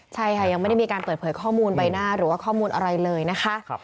ใช่ค่ะยังไม่ได้มีการเปิดเผยข้อมูลใบหน้าหรือว่าข้อมูลอะไรเลยนะคะ